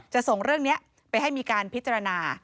ส่งเรื่องนี้ไปให้มีการพิจารณา